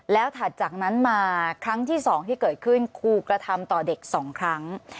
แล้วถัดจากนั้นมาครั้งที่๒ที่เกิดขึ้นครูกระทำต่อเด็ก๒ครั้ง